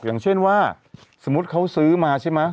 อย่างเช่นว่าสมมุติเขาซื้อมาใช่ไหม